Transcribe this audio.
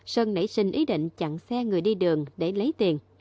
sơn nảy sinh ý định chặn xe người đi đường để lấy tiền